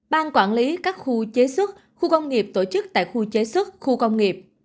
ban quản lý các khu chế xuất khu công nghiệp tổ chức tại khu chế xuất khu công nghiệp